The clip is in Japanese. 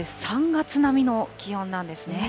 ３月並みの気温なんですね。